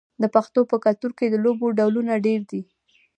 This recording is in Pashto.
د پښتنو په کلتور کې د لوبو ډولونه ډیر دي.